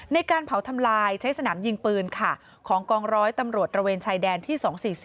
ในการเผาทำลายใช้สนามยิงปืนค่ะของกองร้อยตำรวจระเวนชายแดนที่๒๔๔